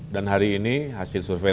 hari ini hasil survei